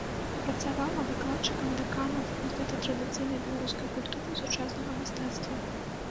Працавала выкладчыкам, дэканам факультэта традыцыйнай беларускай культуры і сучаснага мастацтва.